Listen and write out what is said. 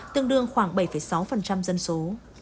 tương đương khoảng bảy sáu dân số